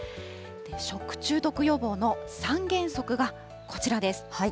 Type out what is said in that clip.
食中毒予防の３原則がこちらです。